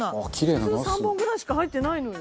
普通３本ぐらいしか入ってないのよ。